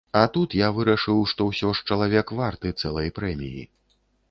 А тут я вырашыў, што ўсё ж чалавек варты цэлай прэміі.